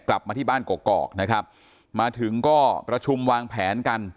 กลับมาที่บ้านกอกนะครับมาถึงก็ประชุมวางแผนกัน